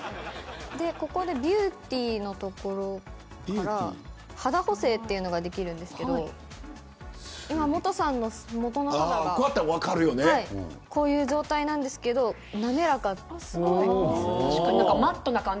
ここでビューティーの所から肌補正っていうのができるんですけどモトさんの元の肌がこういう状態なんですけど滑らかに。